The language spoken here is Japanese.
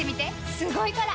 すごいから！